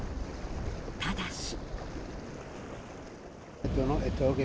ただし。